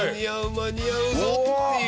間に合うぞっていう。